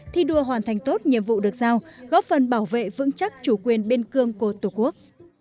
thi đua hoàn thành tốt nhiệm vụ được giao góp phần bảo vệ vững chắc chủ quyền biên cương của tổ quốc